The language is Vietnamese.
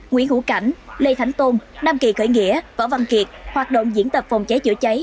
nguyễn hữu cảnh lê thánh tôn nam kỳ khởi nghĩa võ văn kiệt hoạt động diễn tập phòng cháy chữa cháy